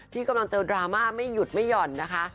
ที่กำลังเจอดราม่าไม่หยุดไม่หย่อนนะคะ